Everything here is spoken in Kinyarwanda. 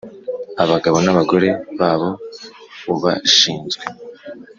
abagabo nabagore babo ubashinzwe